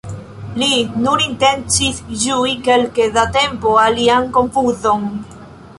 Li nur intencis ĝui kelke da tempo ilian konfuzon!